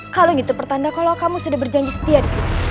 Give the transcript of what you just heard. kalau gitu pertanda kalau kamu sudah berjanji setia disini